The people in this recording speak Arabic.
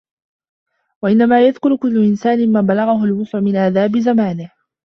وَإِنَّمَا يَذْكُرُ كُلُّ إنْسَانٍ مَا بَلَغَهُ الْوُسْعُ مِنْ آدَابِ زَمَانِهِ